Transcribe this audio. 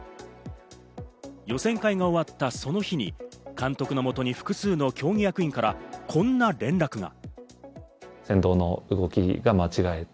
予選会が終わったその日に、監督のもとに複数の競技役員からこんな連絡が。